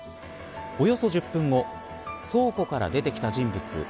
およそ１０分後倉庫から出てきた人物。